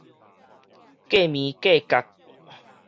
過鋩過角